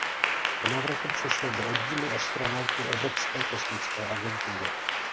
Po návratu přešel do oddílu astronautů Evropské kosmické agentury.